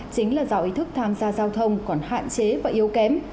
chính là do ý thức tham gia giao thông còn hạn chế và yếu kém